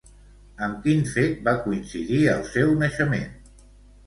Amb quin fet va coincidir el seu naixement?